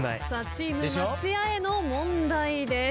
チーム松也への問題です。